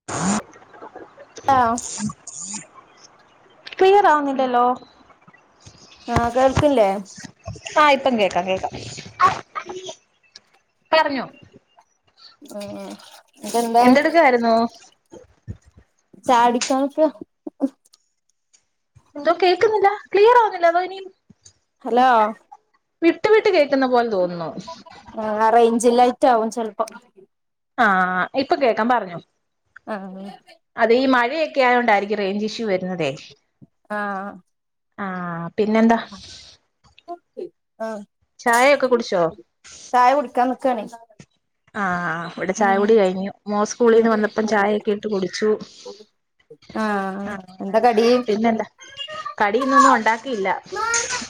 [inaudible] ആഹ് ക്ലിയറാവുന്നില്ലല്ലോ? ആഹ് കേൾക്കില്ലേ? ആഹ് ഇപ്പം കേക്കാം കേക്കാം പറഞ്ഞോ ഉം ഉം എന്തെടുക്കായിരുന്നു? ചായ കുടിക്കാൻ നിക്ക എന്തോ കേക്കുന്നില്ല ക്ലിയറാവുന്നില്ല അതോ ഇനും ഹലോ വിട്ട് വിട്ട് കേക്കുന്ന പോലെ തോന്നുന്നു ആഹ് റേഞ്ചില്ലായിട്ടാകും ചെൽപ്പം ആഹ് ആഹ് ഇപ്പൊ കേക്കാം പറഞ്ഞോ ആഹ് അതെ ഈ മഴയൊക്കെ ആയോണ്ടായിരിക്കും റേഞ്ച് ഇഷ്യൂ വരുന്നതേ ആഹ് ആഹ് പിന്നെന്താ [unintelligible] ചായയൊക്കെ കുടിച്ചോ? ചായ കുടിക്കാൻ നിക്കാണ് ആഹ് ഇവടെ ചായ കുടി കഴിഞ്ഞു മോൻ ഉം സ്കൂളിൽന്ന് വന്നപ്പം ചായ ഒക്കെ ഇട്ട് കുടിച്ചു ആഹ് എന്താ കടി [unintelligible] പിന്നെ കടി ഇന്നൊന്നും ഉണ്ടാക്കിയില്ല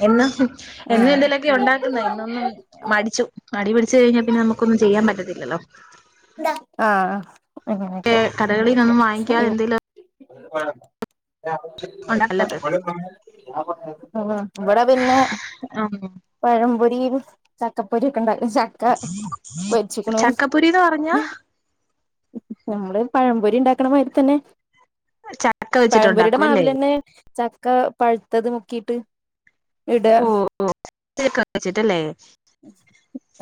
എന്നും എന്നും ആഹ് എന്തേലൊക്കെ ഉണ്ടാ ക്ക്ന്നെ ഇന്നൊന്നും മടിച്ചു മടിപിടിച്ചു കഴിഞ്ഞാ പിന്നെ നമുക്കൊന്നും ചെയ്യാൻ പറ്റത്തില്ലല്ലോ ആഹ് ആഹ് കെ കടകളിലോന്നും വാങ്ങിക്കാതെ എന്തെലും വാണം ഉണ്ടാ നല്ലത് ഇവടെ പിന്നെ ആഹ് പഴംപൊരി, ചക്കപ്പൊരി ഒക്കെ ഇണ്ടാ ചക്ക പൊരിച്ചുക്ക്ണു പോരീന്ന് പറഞ്ഞ നമ്മള് പഴംപൊരി ഉണ്ടാക്ണ മാതിരി തന്നെ ചക്ക പഴമ്പൊരിയുടെ വെച്ചിട്ടുണ്ടാക്കും അല്ലേ മാവിലെന്നെ ചക്കപഴുത്തത് മുക്കിയിട്ട് ഇവ്ടെ [unintelligible] ല്ലേ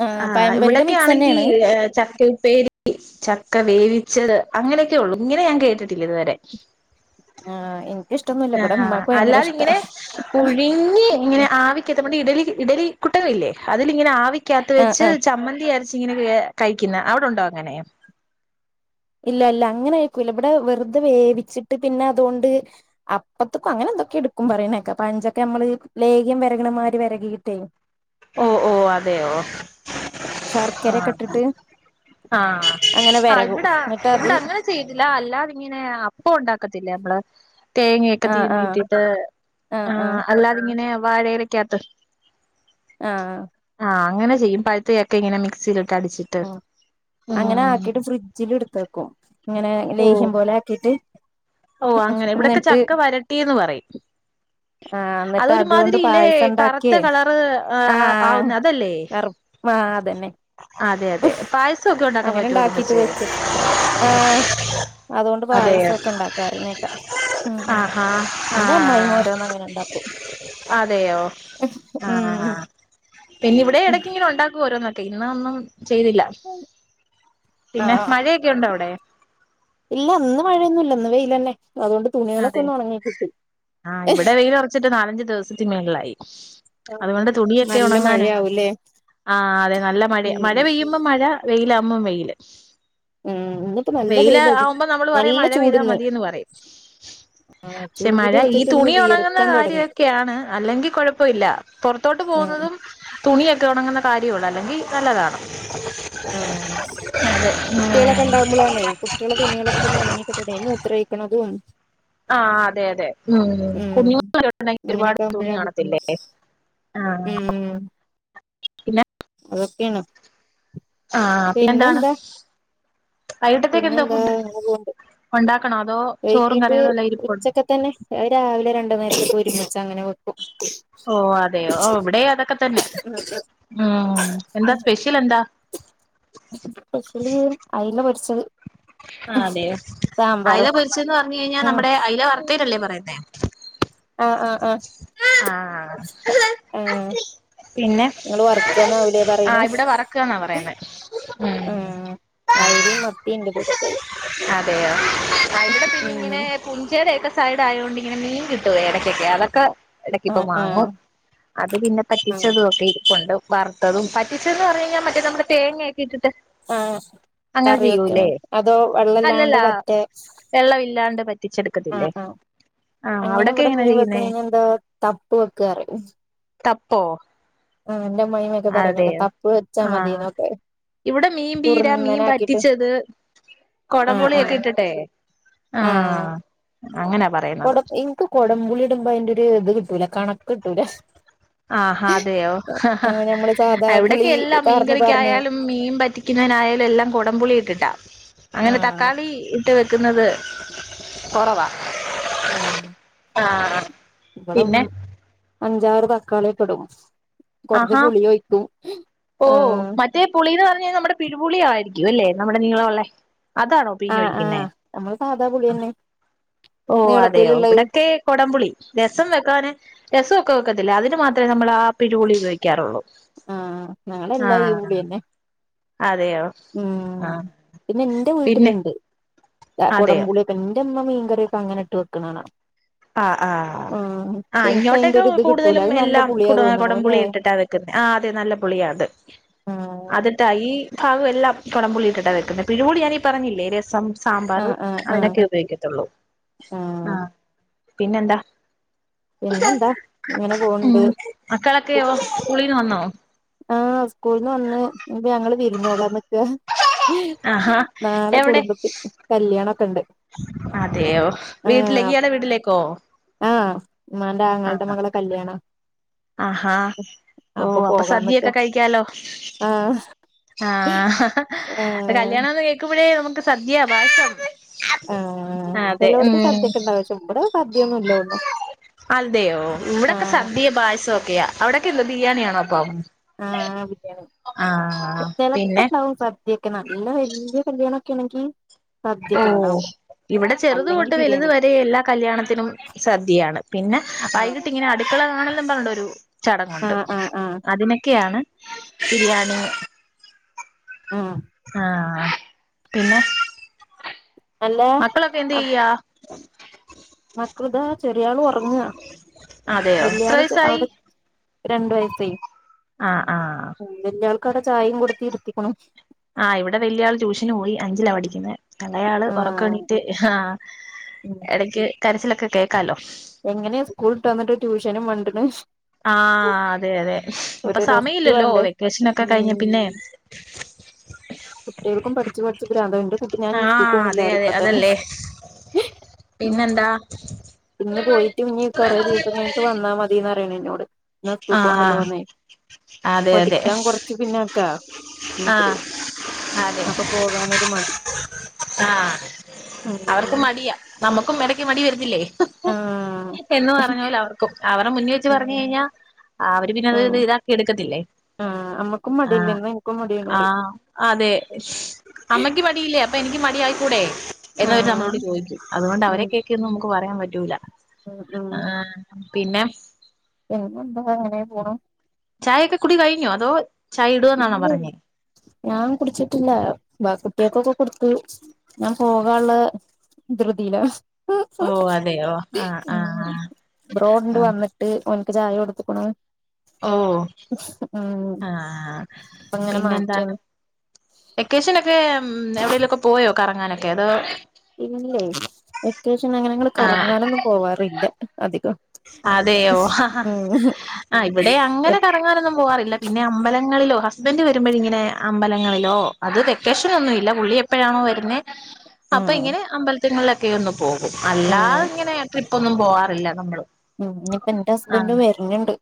ആ ആഹ് പഴംപൊരിയുടെ മിക്സ് ഇവിടെക്കെയാണെങ്കി തന്നെയാണ് ഏഹ് ചക്കയുപ്പേരി ചക്ക വേവിച്ചത് അങ്ങനെയൊക്കെ ഉള്ളു ഇങ്ങനെ ഞാൻ കേട്ടിട്ടില്ല ഇതുവരെ ആ എനിക്കിഷ്ടൊന്നുമില്ല ഇവിടെ ആഹ് ഉമ്മാക്ക് ഭയങ്കര ഇഷ്ടാ അല്ലാതിങ്ങനെ കുഴിഞ്ഞ് ഇങ്ങനെ ആവിക്കത്തുകൊണ്ട് ഇഡലി ഇഡലി കുട്ടകയില്ലേ അതിലിങ്ങനെ ആവി കകത്ത് ആ വെച്ച് ആ ചമ്മന്തി അരച്ച് ഇങ്ങനെ വേ കഴിക്കുന്ന അവിടെണ്ടോ അങ്ങനെ ഇല്ല ഇല്ല അങ്ങനെ വേവിക്കൂല്ല ഇവിടെ വെറുതെ വേവിച്ചിട്ട് പിന്നെ അതുകൊണ്ട്. അപ്പത്ത്ക്കോ അങ്ങനെ എന്തൊക്കേ ഇട്ക്കും പറിണേക്ക പയഞ്ചക്ക നമ്മള് ലേഹ്യം വരകണമാതിരി വരകിയിട്ടേ ഓഹ് ഓഹ് അതേയോ? ശർക്കരയൊക്കെ ആഹ് ഇട്ടിട്ട് ആഹ് അങ്ങനെ ആഹ് വെരകും ഇവിടെഅ എന്നിട്ട് ഹ് അത് ഇവിടെ അങ്ങനെ ചെയ്തില്ല അല്ലാതിങ്ങനെ അപ്പ ഉണ്ടാക്കത്തില്ലേ നമ്മള് തേങ്ങയൊക്കെ ആ ആ തിരുമ്മീട്ട് [unintelligible] ആ അല്ലാതി ഇങ്ങനെ വാഴയിലൊക്കകത്ത്. ആഹ് ആഹ് അങ്ങനെ ചെയ്യും പഴുത്തചക്ക ഇങ്ങനെ മിക്സിയിലിട്ട് അടിച്ചിട്ട് ആ അങ്ങനെ ഉം ആക്കിട്ട് ഫ്രിഡ്ജിൽ എടുത്ത് വെക്കും ഇങ്ങനെ ലേഹ്യം പോലെ ആക്കിട്ട് ഓഹ് അങ്ങനെ ഇവിടെയൊക്കെ എന്നിട്ട് ചക്കവരട്ടീന്ന് പറയും ആഹ് എന്നിട്ട് അതുകൊണ്ട് അതൊരുമാതിരി ഇല്ലേ പായസം ഉണ്ടാക്കിയേ കറുത്തകളറ് ആഹ് ആവുന്നേ അതല്ലേ കറു ആഹ് അതന്നെ അതെ അതെ പായസൊക്കെ ഉണ്ടാക്കാൻ അങ്ങനെ പറ്റോ അതും ഉണ്ടാക്കിട്ട് വെച്ച് അതോണ്ട് പായസക്കെ ഇണ്ടാക്ക പറിണെക ഉം ആഹാ ഇന്റെ അമ്മായിമ്മ ആഹ് ഓരോന്ന് അങ്ങനെണ്ടാക്കും അതെയോ ആഹ് ഉം പിന്നെ ഇവിടെയും ഉം ഇടക്കങ്ങനെ ഒണ്ടാക്കോരോന്നും പിന്നെ ഒന്നും ചെയ്തില്ല പിന്നെ ആഹ് മഴയൊക്കെയുണ്ടോ അവിടെ? ഇല്ല ഇന്ന് മഴയൊന്നുല്ല ഇന്ന് വെയിലന്നെ അതുകൊണ്ട് തുണികളൊക്കെ അതെ ഒന്ന് ഒണങ്ങി കിട്ടി. ആഹ് ഇവിടെ വെയിലറച്ചിട്ട് നാലഞ്ച ദിവസത്തിന് മേളിലായി അതുകൊണ്ട് തുണിയൊക്കെ നല്ല ഒണങ്ങാനാണ് മഴയാവൂലേ ആഹ് അതെ നല്ല മഴയ ഉം മഴ പെയ്യുമ്പോ മഴ വെയില് ആകുമ്പോ വെയില് ഉം ഇന്നിപ്പോ നല്ല വെയില് വെയിലടി ആവുമ്പം നമ്മള് പറയും നല്ല മഴപെയ്താ മതീന്ന് പറയും. ആഹ ച്ചു പക്ഷേ മഴ ഈ തുണിയൊണങ്ങുന്ന കാര്യമൊക്കയാണ് അല്ലെങ്കി കൊഴപ്പയില്ല പൊറത്തോട്ട് ആഹ് പോകുന്നതും തുണിയൊക്കെ ഉണങ്ങുന്ന കാര്യവാണ് അല്ലെങ്കിൽ നല്ലത ആഹ് കുട്ടികളൊക്കെ ഇണ്ടാ മ്പളാണേ കുട്ടികള് തുണികളൊക്കെ ഒന്ന് ഉണങ്ങി കിട്ടണ്ടേ ഈ മൂത്രോയിക്കണതും ആഹ് അതെ അതെ ഉം കുഞ്ഞിയോട്ടുണ്ടെങ്കി ഒരുപാട് അങ്ങനെയൊക്കെ തുണി ആകുമ്പോഴാ കാണത്തില്ലേ? ബുദ്ധിമുട്ട് ആഹ് പിന്നെ അതൊക്കെയേണ് ആഹ് പിന്നെന്താണ് വൈകിട്ടത്തേക്ക് എന്താ പിന്നെന്താ ഫുഡ്ഡ് അങ്ങനെ പോണ്ട് ഒണ്ടാക്കണോ? അതോ ചോറും വൈകീട്ട് കറികളും എല്ലാം ഇരിപ്പുണ്ടോ? ഉച്ചക്കെ തന്നെ അത് രാവിലെ രണ്ട് നേരൊക്കെ ഒരുമിച്ചങ്ങനെ വെക്കും ഓഹ് അതെയോ ഓഹ് ഇവ്ടെയും അതൊക്കെതന്നെ ഉം എന്താ സ്പെഷ്യലെന്താ? സ്പെഷ്യല് [unintelligible] അയില പൊരിച്ചത് അതെ അയില സാമ്പാറും പൊരിച്ചെന്ന് പറഞ്ഞുകഴിഞ്ഞാ ഉം നമ്മുടെ അയില വറുത്തേയിലല്ലേ പറയുന്നെ ആഹ് ആഹ് ആഹ് ആഹ് ആഹ് പിന്നെ നിങ്ങള് വറുക്കാന്നാവൂലേ പറയണു ആഹ് ഇവിടെ വറ്ക്കാന്നാ പറയുന്നെ ഉം ആഹ് അയ്ലിം, മത്തി ഇണ്ട് പൊരിച്ചത് മ് കുഞ്ചേയുടെയൊക്കെ സൈഡ് ആയോണ്ട് ഇങ്ങനെ മീൻ കിട്ടുവോ ഇടയ്ക്കൊക്കെ അതൊക്കെ ഇടക്കോക്കെ ആഹ് ആഹ് വാങ്ങും അത് പിന്നെ ആഹ് പറ്റിച്ചതൊക്കെ ഇരിപ്പോണ്ട് വറുത്തതും പറ്റിച്ചെന്ന് പറഞ് കഴിഞ്ഞാ മറ്റേ നമ്മുടെ തേങ്ങേക്കെ ഇട്ടിട്ട് ആഹ് അങ്ങനെ കറിവെക്ണ ചെയ്യൂലേ അതോ വെള്ളല്ലാണ്ട് വറ്റേ വെള്ള ഇല്ലാണ്ട് വറ്റിച്ചെടുക്കത്തില്ലേ ആഹ് ആഹ് ആഹ് അങ്ങനെ അവിടൊക്കെ ഇവിടെ എങ്ങനാ മീൻ ചെയ്യുന്നേ? വെക്കണേന് എന്തോ തപ്പ് വെക്കാ അറിം തപ്പോ ആഹ് എന്റെ അമ്മയിയൊക്കെ പറയുന്നേക്കാ തപ്പു വെച്ചാ മതിന്നൊക്കെ ഇവടെ മീൻ പീരാ, മീൻ വറ്റിച്ചത് കൊടം ആഹ് പുളിയൊക്കെ ആഹ് ഇട്ടിട്ടെ ആഹ് അങ്ങനാ പറയ കൊടം ഇൻക്ക് കോടം പുളി ഇടുമ്പോ അയ്ന്റെ ഒരു ഇത് കിട്ടൂല കണക്ക് കിട്ടൂല ആഹ് ആഹ് അതെയോ ആഹ് ഞമ്മള് സാധാ ഇവിടയൊക്കെ പുളി എല്ലാം മീൻ പാർന്ന് പാർന്ന് കറിക്കായാലും മീൻ വറ്റിക്കുന്നായാലും എല്ലാം കോടം പുളി ഇട്ടിട്ടാ അങ്ങനെ ആഹ് തക്കാളി ഇട്ട് വെക്കുന്നത് കൊറവാ. ആ ആഹാ ഇവിടെ മ് അഞ്ചാറ് തക്കാളിയെക്കെയിടും. കുറച്ച് ആഹാ പുളിയൊഴിക്കും ഓ ഏ മറ്റേ പുളീന്ന് പറഞ്ഞ് കഴിഞ്ഞാൽ നമ്മുടെ പിരുപുളിയായിരിക്കും അല്ലേ നമ്മുടെ നിളമുള്ളേ അതാണോ? ആഹ് പീഞ്ഞൊഴിക്കുന്നെ ആഹ് നമ്മള് സാധാ പുളിയന്നെ ഓ അതെയോ നീളത്തില്ള്ളത് ഇവിടൊക്കെ കൊടംപുളി രസം വെക്കാന് രസൊക്കെ വെക്കത്തില്ലെ അതിന് മാത്രമേ നമ്മൾ ആ പിരിപുളി ഉപയോഗിക്കാറുള്ളൂ ആ ആ ഞങ്ങളെല്ലാ ആഹ് ഈപളിന്നെ അതെയോ മ് ആഹ് പിന്നെ ഇന്റെ പിന്നെ വീട്ടിലുണ്ട് അതെയോ കുടമ്പപുളിയൊക്കെ എന്റെമ്മ മീൻകറിയൊക്കെ അങ്ങനെ ഇട്ട് വെക്കണകാണാ. ആ ആ ആ അതിന്റെ ഇങ്ങോട്ടൊക്കെ ഒരു ഇത് കിട്ടൂല കൂടുതലും അത് നല്ല എല്ലാം പുളിയാ തോന്നണു അല്ലേ കുടംപുളി ഇട്ടിട്ടാ വെ ആ അതെ നല്ല പുളിയ അത് ആഹ് അതിട്ട ഈ പ്പാഗല്ലാം കുടംപുളിട്ടിട്ടാ വെക്കുന്നേ പിഴിപൂളി ഞാന ഈ പറഞ്ഞില്ലേ രസം സാമ്പാറ് ആഹ് ആഹ് ആഹ് അതിനൊക്കെ ഉപയോഗിക്കത്തുള്ളൂ. ആ ആഹ് പിന്നെന്താ, പിന്നെന്താ ഇങ്ങനെ പോണ്ട് മ് മക്കളൊക്കെയൊ? സ്കൂളീന്ന് വന്നോ? ആ സ്കൂള്ന്ന് വന്ന് ഇനിപ്പ ഞങ്ങള് വിരുന്നോകാന്നിക്ക. ആഹാ എവിടെ? കല്ല്യാണൊക്കെണ്ട് അതെയോ വീട്ടിലെ ഇയാടെ വീട്ടിലേക്കോ? ആ ഉമ്മാന്റെ ആങ്ങൾടെ ആഹ് മകളെ കല്യാണാ ആഹാ ഓ അപ്പൊ അപ്പ പോകാൻ നിക്കാ സദ്യൊക്കെ കഴിക്കാലോ ആഹ് ആ അപ്പ ആഹ് കല്യാണ കേൾക്കുമ്പോഴേ നമുക്ക് സദ്യ പായസം ആ അതെ ചെലവ്ട്ത്ത് ഉം സദ്യൊക്കെ ഇണ്ടാവച്ച ഇവിടെ സദ്യൊന്നും ഇല്ലോന്നു അതെയോ ഇവിടെക്കെ സദ്യയും പായസമൊക്കെയാ. അവിടൊക്കെ ബിരിയാണിയാണോ അപ്പം? ആ ആ ബരിയാണിയാണ് ആഹ് പിന്നെ ചെലപ്പണ്ടാവും സ ഇയൊക്കെ നല്ല വലിയ കല്യാണൊക്കെയാണെങ്കിൽ ഓ ദ്യക്കെ ഉണ്ടാവും ഇവിടെ ചെറുത് അല്ലെങ്കി തൊട്ട് വലുതു ബിരിയാണി വരെ എല്ലാ കല്യാണത്തിനും സദ്യയാണ്. പിന്നെ ആഹ് വൈകിട്ടിങ്ങനെ അടുക്കള കാണലും പറഞ്ഞിട്ടൊരു ചടങ്ങുണ്ട് ആഹ് ആഹ് ആഹ് അതിനൊക്കെയാണ് ബിരിയാണി അ ആ ആ പിന്നെ അല്ല മക്കളൊ എന്തെയ്യ? മക്കള് ദാ ചെറിയാള് ഒറങ്ങാ അതെയോ എത്ര വലിയാള് ചെ വയസായി അവിടെ രണ്ട് വയസ്സായി ആ ആ വല്ലയാള്ക്കവിടെ ചായേം കൊടുത്തി ഇരുത്തിക്ക്ണു. ആ ഇവിടെ വലിയ ആള് ട്യൂഷന് പോയി അഞ്ചിലാ പഠിക്കുന്നേ, ഇളയാള് ഉറക്ക ആഹ് എണീട്ട് ആഹാ ഉം എടയ്ക്ക് കരച്ചിലൊക്കെ കേൾക്കാലോ എങ്ങനെയാ സ്കൂള്ട്ട് വന്നിട്ട് ട്യൂഷനും മണ്ട്ണ. ആഹ് അതേ അതേ ഇപ്പോ റെസ്റ്റ് സമയില്ലല്ലോ വേണ്ടേ വെക്കേഷനൊക്കെ കഴിഞ് ഉം പിന്നെ കുട്ടികൾക്കും പഠിച്ച് പഠിച്ച് പ്രാന്താവും ഇന്റെ കുട്ടി ഞാൻ ഇനി ആഹ് സ്കൂള്പോണില്ല അതെ പറയും അതെ ഇപ്പ തന്നെ അതല്ലേ പിന്നെന്താ ഇന്ന് പോയിട്ട് ഇനി കൊറെ ദിവസം കഴിഞ്ഞിട്ട് വന്നാ മതിന്ന് പറണ് എന്നോട് ന്ന സ്കൂൾക്ക് ആഹ് പോവൻണ്ടല്ലോന്ന് അതെ അതെ പഠിക്കാൻ കൊറച്ച് പിന്നെക്കാ മൂപ്പര് ആഹ് അതെ അപ്പോ പോകാനൊരു മടി ആഹ് അവർക്കും ഉം മടിയാ നമ്മുക്കും ഇടക്ക് മടി വരുത്തില്ലേ ഉം ആഹ് എന്ന പറഞ്ഞപോല അവർക്കും അവരെ മുന്നേ വെച്ച് ഉം പറഞ്ഞു കഴിഞ്ഞാ അവര് പിന്നെത് ഇത് ഇതാ ക്കി എടുക്കത്തില്ലേ ആ അമ്മക്കും മടിഎന്നെന്ന് ആഹ് എന്നാ ഇനിക്കും മടിയാന്ന് പറയും ആഹ് അതെ സ് അമ്മക്ക് മടിയില്ലേ അപ്പ എനിക്ക് മടി ആയിക്കൂടെ എന്ന് വെച്ച് നമ്മളോട് ആഹ് ചോദിക്കും അതുകൊണ്ട് ഉം അവരെ കേക്കെയൊന്നും നമുക്ക് പറയാൻ പറ്റൂല ഉം ഉം ആഹ് പിന്നേ പിന്നെന്താ അങ്ങനെ പോണു ചായയൊക്കെ കുടി കഴിഞ്ഞോ അതോ? ചായ ഇടുവെന്നാണോ ഇല്ല പറഞ്ഞേ ഞാൻ കുടിച്ചിട്ടില്ല ബ കുട്ടികൾക്കൊക്കെ കൊടുത്ത്‌ ഞാൻ പോകാള്ള ധ്ര്യതിയില ഓ അതെയോ ആഹ് ആഹ് ബ്രോണ്ട് ആഹ് വന്നി ട്ട് ഒൻക്ക് ചായ കൊടുത്ത്ക്കണ് ഓഹ് ഉം ആഹ് അപ്പ അങ്ങനെ മാറ്റണ് പിന്നെന്താണ് വെക്കേഷനൊക്കെ ഉം എവിടെലുമൊക്കെ പോയോ കറങ്ങാനൊക്കെ അതോ ഇല്ലേ വെക്കേഷന് അങ്ങനെഞ്ഞള് ആഹ് കറങ്ങാനൊന്നും പോവാറില്ല അധികം അതെയോ ഓ ഹ ഉം ഹ ഇവിടെ അങ്ങനെ എപ് ക റങ്ങാനൊന്നും പോവാറില്ല പിന്നെ അമ്പലങ്ങളിലോ ഹസ്ബൻഡ് വരുമ്പോഴിങ്ങനെ അമ്പലങ്ങളിലോ അത് വെക്കേഷൻ ഒന്നുമില്ല പുള്ളി എപ്പോഴാണോ വരുന്നേ അപ്പൊ ഉം ഇങ്ങനെ അമ്പലത്തിങ്ങളിലൊക്കെ ഒന്നു പോകും അല്ലാത ഉം ഇങ്ങനെ ട്രിപ്പ് ഒന്നും പോവാറില്ല നമ്മള് ഉം ഇനിപ്പ ഇന്റെ ആ ഹസ്ബൻഡും വര്ണണ്ട്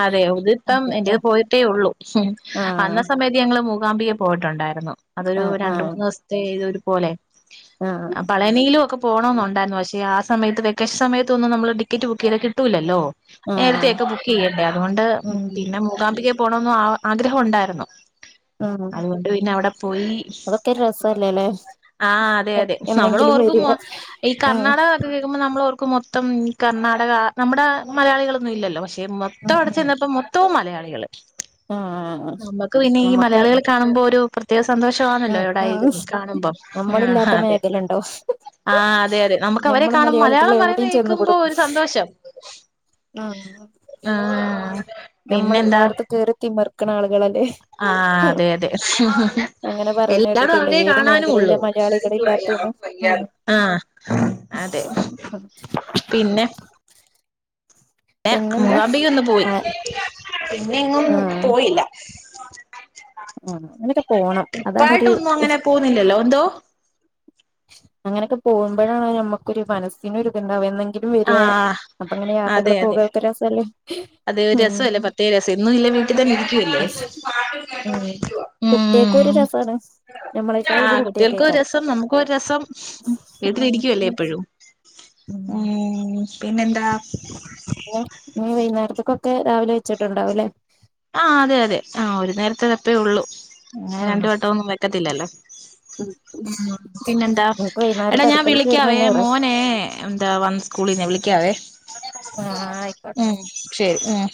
അതെ ഇതിപ്പം എന്റെത് പോയിട്ടേ ഉള്ളൂ ഉം ആഹ് വന്ന സമയ ത്ത് ഞങ്ങള് മൂകാംമ്പികെ പോയിട്ടുണ്ടായിരുന്നു അതൊരു ആഹ് രണ്ട് ആഹ് മൂന്ന് ദിസത്തെ ഇത് ഒരുപോലെ ആഹ് അഹ്‌ ഡനയിലും ഒക്കെ പോണംന്നുണ്ടായിരുന്നു പക്ഷേ ആ സമയത്ത് വെക്കേഷൻ സമയത്തൊന്നും നമ്മള് ടിക്കറ്റ് ബുക്ക് ചെയ്താ കിട്ടൂല്ലല്ലോ ആഹ് നേരത്തെയൊക്കെ ബുക്ക് ചെയ്യണ്ടേ അതുകൊണ്ട് ഉം പിന്നെ മൂകാംമ്പികെ പോകണമെന്ന് ആഗ്രഹം ഉണ്ടായിരുന്നു ഉം അധോണ്ട് പിന്നെ അവിടെ പോയി അതൊക്കെ രസല്ലേല്ലേ ആ അതേ അതേ ശേ നമ്മള് എന്നെങ്കിലും ഓർക്കും വരിക ഈ ഉം കർണാടകക്കെ കേ ക്കുമ്പോ നമ്മളോർക്കും മൊത്തം ഈ കർണാടക ആ നമ്മുടെ മലയാളികളൊന്നും ഇല്ലോ പക്ഷെ മോ ത്തം ഉം അവിടെ ഉം ചെന്നപ്പോ മൊത്തവും മലയാളികൾ ആഹ് നമ്മക്ക് പിന്നെ ഈ ഞമ്മക്ക് മലയാളികൾ കാണുമ്പോ ഒരു പ്രത്യേക സന്തോഷ വാണല്ലോ ഉം എവിടെ ഉം ആയലും കാണുമ്പം ആഹ് നമ്മളില്ലാത്ത അതെ മേഖലണ്ടോ ആഹ് അതെ അതെ നമുക്ക് അവരെ ഞമ്മള് കാണും മലയാളികൾ മലയാളം പറയുന്ന എവിടെയും കേൽക്കുമ്പോ ചെന്നുപെടും ഒര് സന്തോഷം ഉം ആഹ് പിന്നെന്താ ഞമ്മളെല്ലായിടത്തും കേറിത്തിമറക്ക്ണ ആളുകളെല്ലേ ആഹ് അതെ അതെ അങ്ങനെ പറയുന്ന എല്ലാടും കേട്ടിട്ടില്ല അവരെ ഏത് കാണാനും മേഖലയില ഉള്ളു. മലയാളികളില്ലാത്തന്ന് ഉം ആഹ് അതെ ഉം പിന്നെ? ഏ പിന്നെന്താ മൂകാംബിക ഒന്ന് പോയി ആ പിന്നെ എങ്ങും ആഹ് പോയില്ല. ആഹ് അങ്ങനൊക്കെ പോണം അതാണൊരു ട്രിപ്പായിട്ടൊന്നും അങ്ങനെ പോവുന്നില്ലല്ലോ ന്തോ അങ്ങനൊക്കെ പോവുംമ്പഴാണ് ഞമ്മക്കൊരു മനസ് സിനൊരിത്ണ്ടാവ എന്നെങ്കിലും വര്ആ ആഹ് അപ്പൊ അങ്ങനെ അതെ യാത്രകളെ അതെ പോക്ആ ഒക്കെ രസല്ലെ. അതെ ഒരു രസല്ലെ പത്തേ [unintelligible] ഇന്നു ഇല്ലെ വീട്ടി തന്നെ ഇരിക്ക്യു അല്ലേ. കുട്ട്യേക്കൊരു രസാണ് ന്നമ്മളേക്കായി ഒക്കെ കുട്ട്യേക്കേയ്ക്കാരം. രം നമുക്ക് ഒരു രസം വീട്ടിലിരിക്ക്യെല്ലേ എപ്പോഴും ആഹ്. പിന്നെ എന്താ? ഇഞ് വൈന്നാര്ത്തൊക്കെക്കേ രാവിലെ വെച്ചിട്ട്ണ്ടാവുംലേ. ആഹ് അതെ അതെ, ആഹ് ഒരു നേരത്തെ വേപ്പെ ഒള്ളൂ, അങ്ങനെ ഉം രണ്ടു വട്ടം ഒന്നും വെക്കത്തില്ലല്ലോ. ഉം ഉം പിന്നെന്താ എനിക്ക് എടാ വൈകുന്നേരത്തെ ഞാം അടുക്കള വിളിക്കാവേ കേറണന്നെ ഏറെ മോനെ എന്താ വന്ന് സ്കൂളിന്നെ വിളിക്കാവേ ആഹ് ആയിക്കോട്ടെ ഉം ശരി ഉം.